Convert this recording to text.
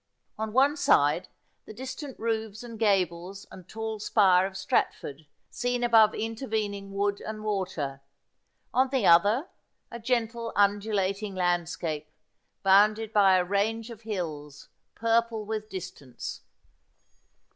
On one side the distant roofs and gables and tall spire of Strat ford, seen above intervening wood and water ; on the other a gentle undulating landscape, bounded by a range of hills purple with distance.